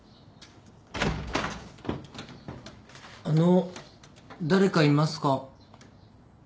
あの誰かいますか？